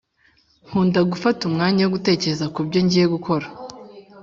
Nkunda gufata umwanya wo gutekereza kubyo ngiye gukora